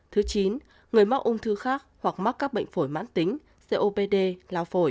thứ chín người mắc ung thư khác hoặc mắc các bệnh phổi mãn tính copd lao phổi